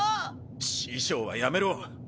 師匠はやめろ。